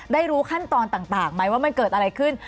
รู้ขั้นตอนต่างไหมว่ามันเกิดอะไรขึ้น